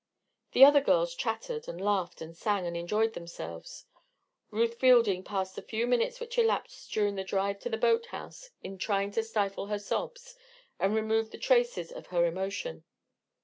The other girls chattered, and laughed, and sang, and enjoyed themselves. Ruth Fielding passed the few minutes which elapsed during the drive to the boathouse in trying to stifle her sobs and remove the traces of her emotion.